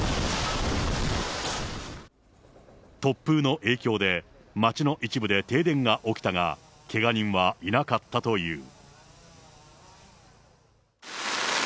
突風の影響で、街の一部で停電が起きたが、けが人はいなかったという。